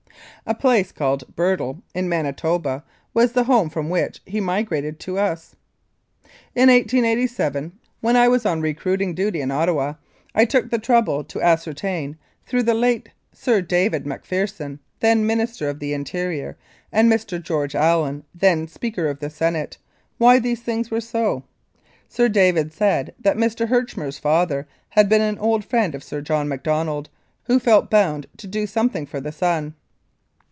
A place called Birtle, in Manitoba, was the home from which he migrated to us. In 1887, when I was on recruiting duty in Ottawa, I took the trouble to ascertain, through the late Sir David MacPherson, then Minister of the Interior, and Mr. George Allen, then Speaker of the Senate, why these things were so. Sir David said that Mr. Herch mer's father had been an old friend of Sir John Mac donald, who felt bound to do something for the son.